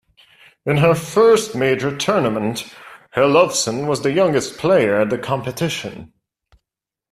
In her first major tournament, Herlovsen was the youngest player at the competition.